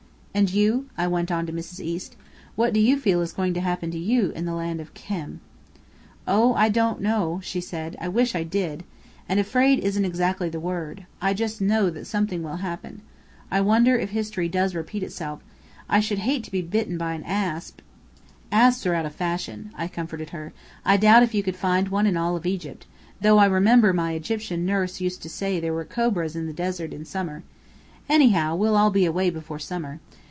"And you?" I went on to Mrs. East. "What do you feel is going to happen to you in the land of Khem?" "Oh, I don't know," she sighed. "I wish I did! And 'afraid' isn't exactly the word. I just know that something will happen. I wonder if history does repeat itself? I should hate to be bitten by an asp " "Asps are out of fashion," I comforted her. "I doubt if you could find one in all of Egypt, though I remember my Egyptian nurse used to say there were cobras in the desert in summer. Anyhow, we'll be away before summer."